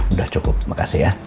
udah cukup makasih ya